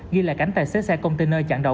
ghi lại cảnh tài xế xe container chặn đầu